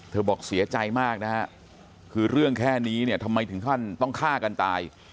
บอกเสียใจมากนะฮะคือเรื่องแค่นี้เนี่ยทำไมถึงขั้นต้องฆ่ากันตาย